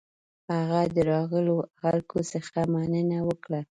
هغه د راغلو خلکو څخه مننه وکړه.